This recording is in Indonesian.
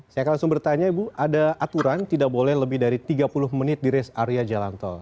saya akan langsung bertanya ibu ada aturan tidak boleh lebih dari tiga puluh menit di rest area jalan tol